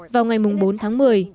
vào ngày bốn tháng một mươi